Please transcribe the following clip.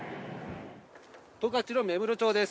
十勝の芽室町です。